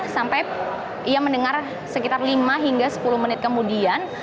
sampai ia mendengar sekitar lima hingga sepuluh menit kemudian